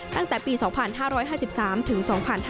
ตั้งแต่ปี๒๕๕๓ถึง๒๕๕๙